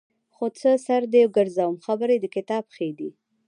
خو څه سر دې ګرځوم خبرې د کتاب ښې دي.